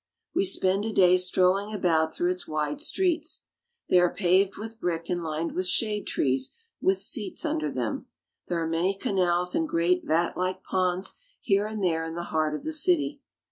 We spend a day strolling about through its wide streets. They are paved with brick and lined with shade trees with seats under them ; there are many canals and great vatlike ponds here and there in the heart of the city.